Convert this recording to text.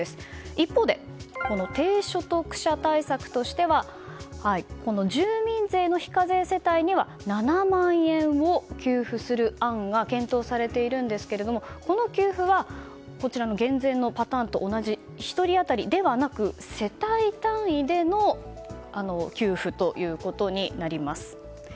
一方で、低所得者対策としては住民税の非課税世帯には７万円を給付する案が検討されているんですけれどもこの給付はこちらの減税のパターンと同じ１人当たりではなく世帯単位での給付となります。